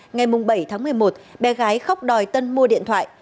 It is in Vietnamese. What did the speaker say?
ngày bảy tháng một mươi một bé gái khóc đòi tân mua điện thoại